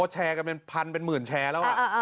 แชร์กันเป็นพันเป็นหมื่นแชร์แล้ว